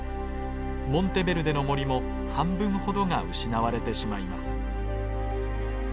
モンテベルデの森も半分ほどが失われてしまいます。